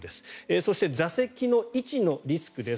そして座席の位置のリスクです。